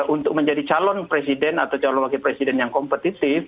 untuk menjadi calon presiden atau calon wakil presiden yang kompetitif